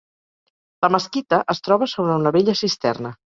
La mesquita es troba sobre una vella cisterna.